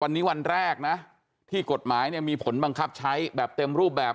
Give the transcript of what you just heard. วันนี้วันแรกนะที่กฎหมายเนี่ยมีผลบังคับใช้แบบเต็มรูปแบบ